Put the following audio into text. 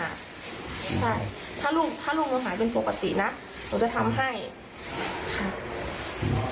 ใช่ถ้าลูกหายเป็นปกตินะหนูจะทำให้ค่ะ